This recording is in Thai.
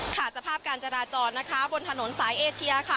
สภาพการจราจรนะคะบนถนนสายเอเชียค่ะ